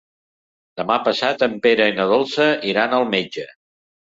Demà passat en Pere i na Dolça iran al metge.